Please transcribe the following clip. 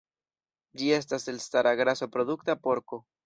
Ĝi estas elstara graso-produkta porko.